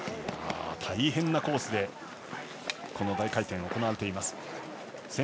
大変なコースでこの大回転が行われています。